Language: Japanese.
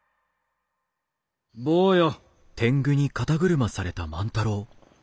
坊よ。